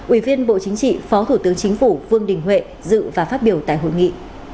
ủy viên bộ chính trị phó thủ tướng chính phủ vương đình huệ dự và phát biểu tại hội nghị